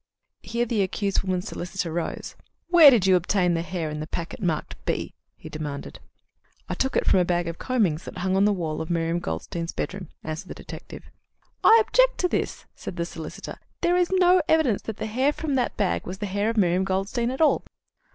Here the accused woman's solicitor rose. "Where did you obtain the hair in the packet marked B?" he demanded. "I took it from a bag of combings that hung on the wall of Miriam Goldstein's bedroom," answered the detective. "I object to this," said the solicitor. "There is no evidence that the hair from that bag was the hair of Miriam Goldstein at all."